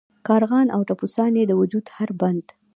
کارغان او ټپوسان یې د وجود هر بند.